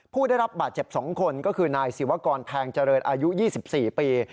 ผู้ได้รับบาดเจ็บ๒คนก็คือนายศิวากรแพงเจริญอายุ๒๔ปี